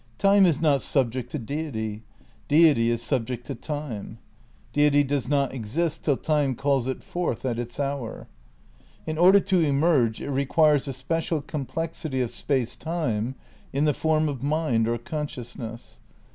Time is not subject to Deity; Deity is subject to Time. Deity does not exist till Time calls it forth at its hour. In order to emerge it requires a special complexity of Space Time in the form of mind or consciousness.